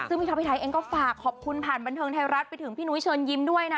ซึ่งพี่ท็อปพี่ไทยเองก็ฝากขอบคุณผ่านบันเทิงไทยรัฐไปถึงพี่นุ้ยเชิญยิ้มด้วยนะ